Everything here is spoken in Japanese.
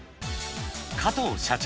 加藤社長